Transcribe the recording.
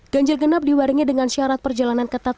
ganjil genap diwaringi dengan syarat perjalanan ketat